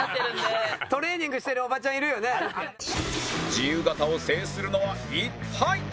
自由形を制するのは一体？